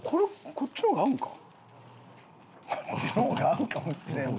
こっちの方が合うかもしれんわ。